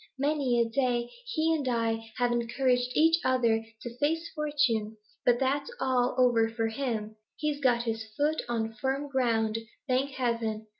Many a day he and I have encouraged each other to face fortune, but that's all over for him; he's got his foot on firm ground, thank heaven!